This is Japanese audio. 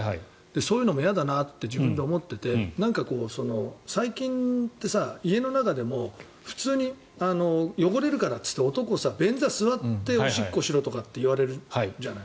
そういうのも嫌だなと自分で思っていてなんか、最近って家の中でも普通に汚れるからっていって男が便座に座っておしっこをしろって言われるじゃない。